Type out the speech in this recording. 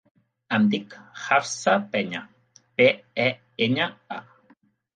Em dic Hafsa Peña: pe, e, enya, a.